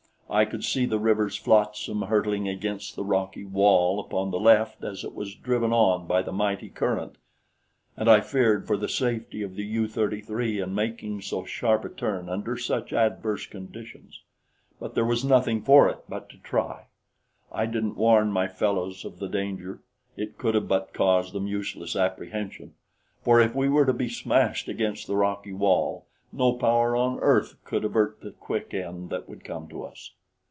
I could see the river's flotsam hurtling against the rocky wall upon the left as it was driven on by the mighty current, and I feared for the safety of the U 33 in making so sharp a turn under such adverse conditions; but there was nothing for it but to try. I didn't warn my fellows of the danger it could have but caused them useless apprehension, for if we were to be smashed against the rocky wall, no power on earth could avert the quick end that would come to us.